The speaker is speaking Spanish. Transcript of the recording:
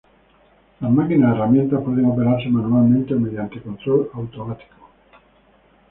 Las máquinas-herramienta pueden operarse manualmente o mediante control automático.